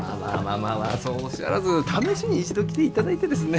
まあそうおっしゃらず試しに一度来ていただいてですね。